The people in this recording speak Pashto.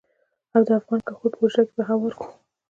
او د افغان کهول په حجره کې به يې هوار کړو.